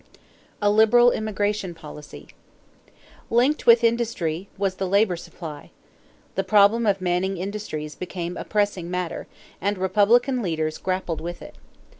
=A Liberal Immigration Policy.= Linked with industry was the labor supply. The problem of manning industries became a pressing matter, and Republican leaders grappled with it.